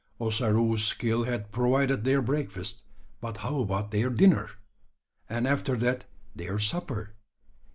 Ossaroo's skill had provided their breakfast; but how about their dinner? And after that their supper?